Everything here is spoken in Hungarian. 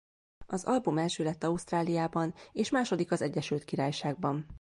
Az album első lett Ausztráliában és második az Egyesült Királyságban.